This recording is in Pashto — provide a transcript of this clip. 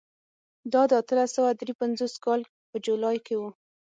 دا د اتلس سوه درې پنځوس کال په جولای کې و.